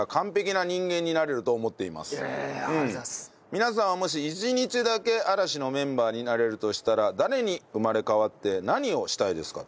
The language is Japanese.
皆さんはもし１日だけ嵐のメンバーになれるとしたら誰に生まれ変わって何をしたいですか？